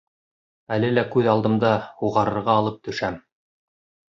Әле лә күҙ алдымда: һуғарырға алып төшәм.